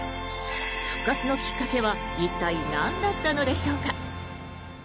復活のきっかけは一体なんだったのでしょうか。